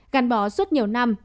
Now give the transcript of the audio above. gắn bó suốt nhiều năm